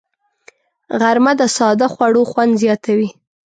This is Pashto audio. غرمه د ساده خوړو خوند زیاتوي